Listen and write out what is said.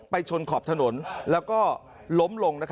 ชนขอบถนนแล้วก็ล้มลง